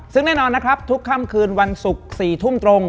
ซึ่งแน่นอนนะครับทุกค่ำคืนวันศุกร์๔ทุ่มตรง